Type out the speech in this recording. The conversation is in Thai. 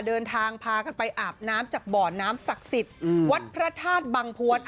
เดินทางพากันไปอาบน้ำจากบ่อน้ำศักดิ์สิทธิ์วัดพระธาตุบังพวน